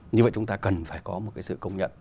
như vậy chúng ta cần phải có một cái sự công nhận